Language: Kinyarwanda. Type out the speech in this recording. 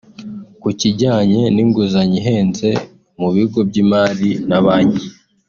Ku kijyanye n’inguzanyo ihenze mu bigo by’imari na banki